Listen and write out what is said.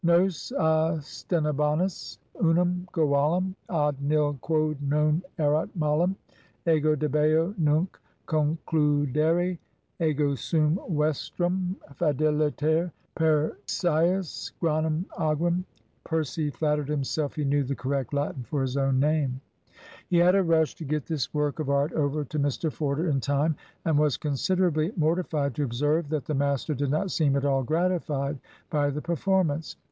"Nos obtenebanus unum goalum ad nil quod non erat malum. Ego debeo nunc concludere. Ego sum vestrum fideliter Perceius Granum agrum." (Percy flattered himself he knew the correct Latin for his own name.) He had a rush to get this work of art over to Mr Forder in time, and was considerably mortified to observe that the master did not seem at all gratified by the performance.